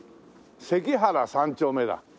関原三丁目だ。